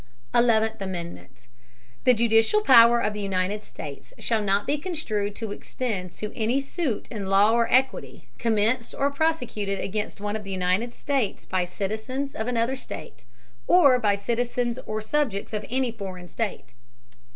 XI. The Judicial power of the United States shall not be construed to extend to any suit in law or equity, commenced or prosecuted against one of the United States by Citizens of another State, or by Citizens or Subjects of any Foreign State.